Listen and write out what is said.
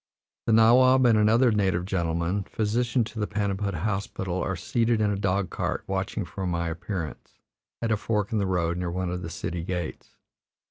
The nawab and another native gentleman, physician to the Paniput Hospital, are seated in a dog cart watching for my appearance, at a fork in the road near one of the city gates.